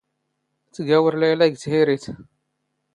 ⵜⴳⴰⵡⵔ ⵍⴰⵢⵍⴰ ⴳ ⵜⵀⵉⵔⵉⵜ.